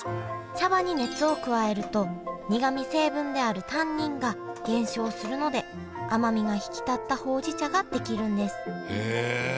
茶葉に熱を加えると苦み成分であるタンニンが減少するので甘みが引き立ったほうじ茶が出来るんですへえ。